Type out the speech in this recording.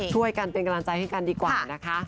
ช่วยกันเป็นกำลังใจให้กันดีกว่านะคะ